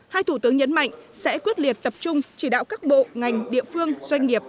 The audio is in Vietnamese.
hai thủ tướng nhấn mạnh sẽ quyết liệt tập trung chỉ đạo các bộ ngành địa phương doanh nghiệp